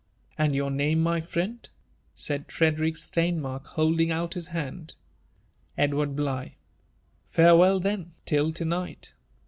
*' And your name, my friend?" said Frederick Steinmark, holding nut his band. Edward Bligh."; Farewell, then, till to nigbt.